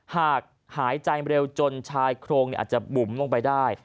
หากหายใจเร็วจนชายโครงอาจจะบุ๋มลงไปได้